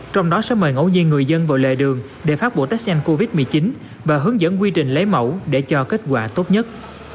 trong đó sẽ mời ngẫu nhiên người dân vào lề đường để phát bộ test nhanh covid một mươi chín và hướng dẫn quy trình lấy mẫu để cho kết quả tốt nhất